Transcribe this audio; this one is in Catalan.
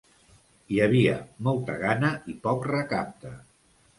Hi havia molta gana i poc recapte.